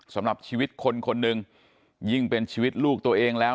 สำหรับชีวิตคนคนหนึ่งยิ่งเป็นชีวิตลูกตัวเองแล้ว